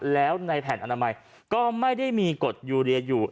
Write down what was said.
แล้วในแผ่นอนามัยก็ไม่ได้มีกฎยูเรียอยู่